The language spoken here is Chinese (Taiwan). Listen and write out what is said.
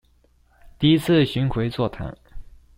第一次巡迴座談